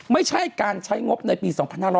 ไม่ใช่การใช้งบในปี๒๕๖๐